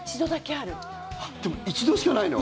でも、一度しかないの？